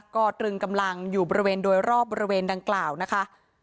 ก็ตรึงกำลังอยู่บริเวณโดยรอบบริเวณดังกล่าวนะคะ